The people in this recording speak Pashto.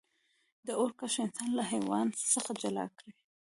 د اور کشف انسان له حیوان څخه جلا کړ.